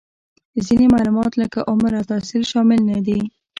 ځینې معلومات لکه عمر او تحصیل شامل نهدي